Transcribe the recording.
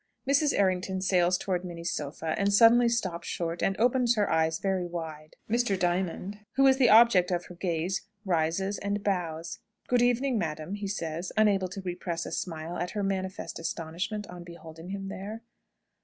Mrs. Errington sails towards Minnie's sofa, and suddenly stops short, and opens her eyes very wide. Mr. Diamond, who is the object of her gaze, rises and bows. "Good evening, madam," he says, unable to repress a smile at her manifest astonishment on beholding him there.